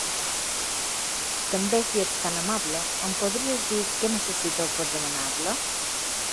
També si ets tan amable, em podries dir què necessito per demanar-la?